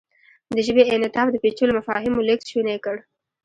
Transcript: د ژبې انعطاف د پېچلو مفاهیمو لېږد شونی کړ.